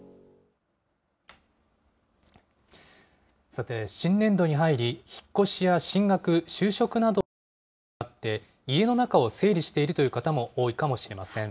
さて、新年度に入り、引っ越しや進学、就職などに伴って、家の中を整理しているという方も多いかもしれません。